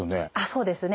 そうですね。